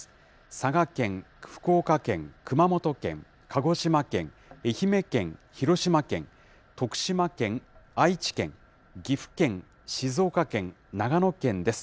佐賀県、福岡県、熊本県、鹿児島県、愛媛県、広島県、徳島県、愛知県、岐阜県、静岡県、長野県です。